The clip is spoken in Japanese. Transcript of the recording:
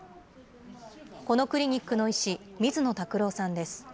このクリニックの医師、水野宅郎さんです。